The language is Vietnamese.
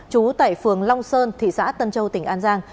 trú tại phường long sơn thị xã tân châu tỉnh an giang